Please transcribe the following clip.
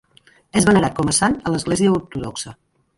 És venerat com a sant a l'Església Ortodoxa.